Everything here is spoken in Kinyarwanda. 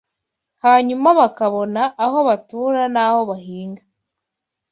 hanyuma bakabona aho batura n’aho bahinga